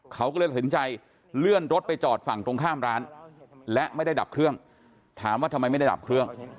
เขาก็เลยตัดสินใจเลื่อนรถไปจอดฝั่งตรงข้ามร้านและไม่ได้ดับเครื่องถามว่าทำไมไม่ได้ดับเครื่อง